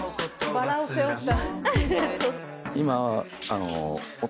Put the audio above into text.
バラを背負った。